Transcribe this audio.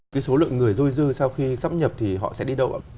cái số lượng người dôi dư sau khi sắp nhập thì họ sẽ đi đâu ạ